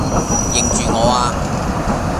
認住我呀!